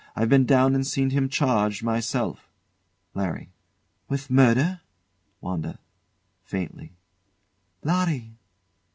I've been down and seen him charged myself. LARRY. With murder? WANDA. [Faintly] Larry!